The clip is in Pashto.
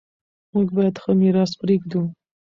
موږ باید ښه میراث پریږدو.